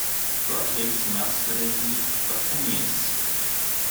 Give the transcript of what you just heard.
Berkeley's mascot is the Buccaneers.